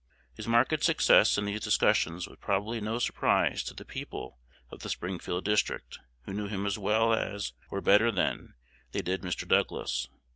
His marked success in these discussions was probably no surprise to the people of the Springfield District, who knew him as well as, or better than, they did Mr. Douglas.